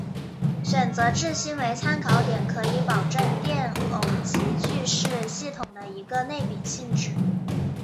选择质心为参考点可以保证电偶极矩是系统的一个内禀性质。